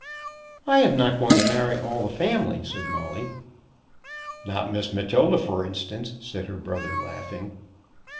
"I am not going to marry all the family," said Molly. "Not Miss Matilda, for instance," said her brother, laughing.